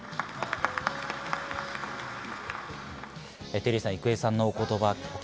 テリーさん、郁恵さんのお言